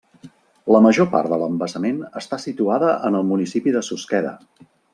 La major part de l'embassament està situada en el municipi de Susqueda.